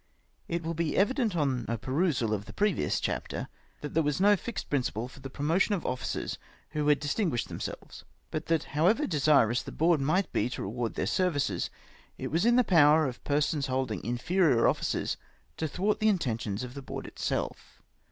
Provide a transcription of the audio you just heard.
It will be evident on a perusal of the previous chapter, that there v^^as no fixed principle for the promotion of officers who had distinguished themselves, but that however desirous the Board mi^ht be to reward their services, it was in the power of persons holding inferior offices to thwart the intentions of the Board itself.